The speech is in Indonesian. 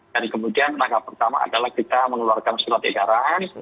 dan kemudian langkah pertama adalah kita mengeluarkan surat edaran